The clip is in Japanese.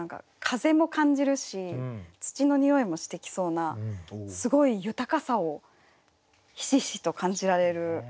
風も感じるし土のにおいもしてきそうなすごい豊かさをひしひしと感じられる穏やかな句が。